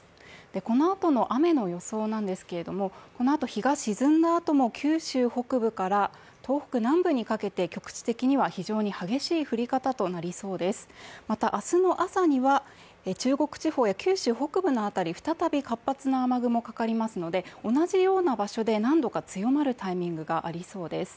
このあとの雨の予想なんですけれども、このあと、日が沈んだあとも九州北部から東北南部にかけて局地的には激しい降り方また明日の朝には中国地方や九州北部の辺り、再び活発な雨雲がかかりますので、同じような場所で何度か強まるタイミングがありそうです。